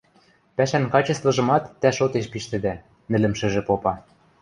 Пӓшӓн качествыжымат тӓ шотеш пиштӹдӓ, – нӹлӹмшӹжӹ попа...